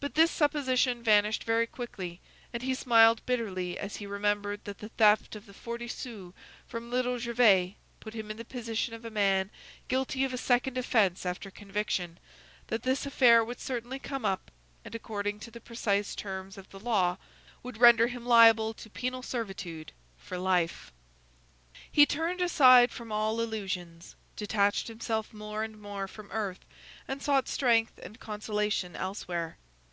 But this supposition vanished very quickly, and he smiled bitterly as he remembered that the theft of the forty sous from little Gervais put him in the position of a man guilty of a second offence after conviction, that this affair would certainly come up, and, according to the precise terms of the law, would render him liable to penal servitude for life. He turned aside from all illusions, detached himself more and more from earth, and sought strength and consolation elsewhere.